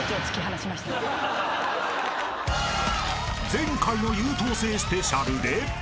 ［前回の優等生スペシャルで］